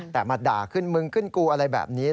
แต่มาด่าขึ้นมึงขึ้นกูอะไรแบบนี้